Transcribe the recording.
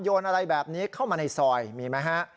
อะไรแบบนี้เข้ามาในซอยมีไหมฮะ